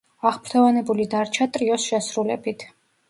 აღფრთოვანებული დარჩა ტრიოს შესრულებით.